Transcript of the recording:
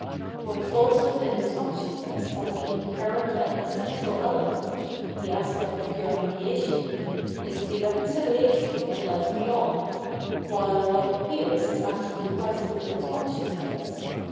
What falls within its consciousness as the inherent and essential element, the aspect of pure mediation, is the reconcihation that lies beyond : while what appears as actually present m its consciousness, as the * The historical Christ.